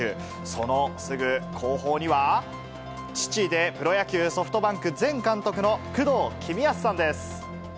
そのすぐ後方には、父でプロ野球・ソフトバンク前監督の工藤公康さんです。